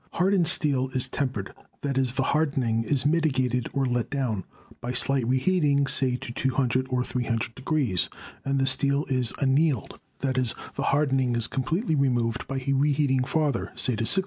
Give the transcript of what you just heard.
Hardened steel is "tempered" — i.e., the hardening is mitigated or let down, by slight reheating, say to 200 or 300 — and the steel is "annealed" — i.e., the hardening is completely removed, by reheating farther, say to 600